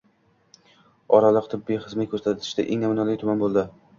Oltiariq tibbiy xizmat ko‘rsatishda eng namunali tuman bo‘ladi